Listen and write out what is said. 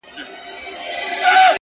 په خوښۍ مستي یې ورځي تېرولې٫